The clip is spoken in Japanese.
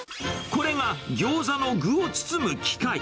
これがギョーザの具を包む機械。